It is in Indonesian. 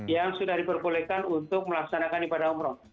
yang sudah diperbolehkan untuk melaksanakan ibadah umrah